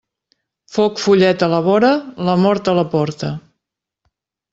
Foc follet a la vora, la mort a la porta.